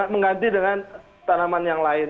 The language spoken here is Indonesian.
mengganti dengan tanaman yang lain